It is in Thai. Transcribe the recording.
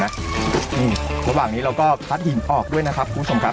นี่ระหว่างนี้เราก็พัดหินออกด้วยนะครับคุณผู้ชมครับ